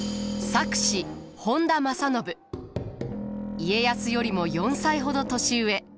家康よりも４歳ほど年上。